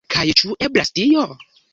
Kaj ĉu eblas tio?